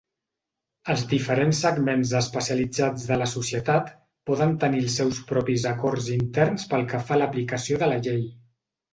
Els diferents segments especialitzats de la societat poden tenir els seus propis acords interns pel que fa a l'aplicació de la llei.